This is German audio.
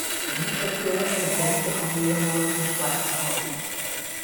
Die Endstation befand sich am ehemaligen Schweizer Haus.